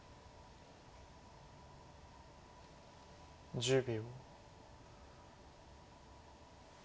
１０秒。